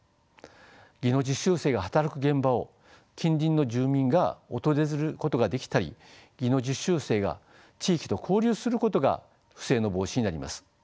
技能実習生が働く現場を近隣の住民が訪れることができたり技能実習生が地域と交流することが不正の防止になります。